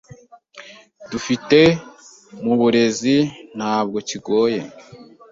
dufite mu burezi ntabwo kigoye.